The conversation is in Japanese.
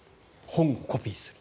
本をコピーする。